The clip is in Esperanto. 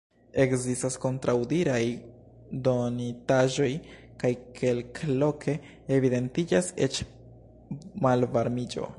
Ekzistas kontraŭdiraj donitaĵoj, kaj kelkloke evidentiĝas eĉ malvarmiĝo.